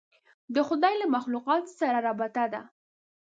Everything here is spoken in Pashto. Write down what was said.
د خدای له مخلوقاتو سره رابطه ده.